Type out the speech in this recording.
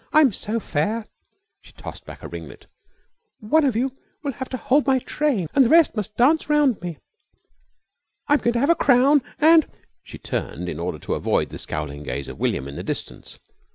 I'm so fair." She tossed back a ringlet. "One of you will have to hold my train and the rest must dance round me. I'm going to have a crown and " She turned round in order to avoid the scowling gaze of William in the distance.